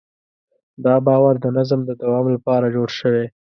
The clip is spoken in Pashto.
دا باور د نظم د دوام لپاره جوړ شوی.